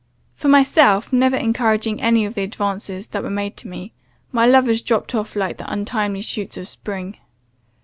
For myself, never encouraging any of the advances that were made to me, my lovers dropped off like the untimely shoots of spring.